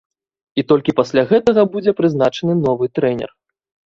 І толькі пасля гэтага будзе прызначаны новы трэнер.